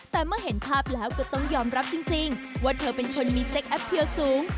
แต่เมื่อเห็นภาพแล้วก็ต้องยอมรับจริงว่าเธอเป็นคนมีเซ็กแอปเทียลสูง